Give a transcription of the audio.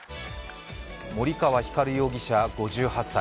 森川光容疑者５８歳。